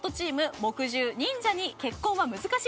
木１０「忍者に結婚は難しい」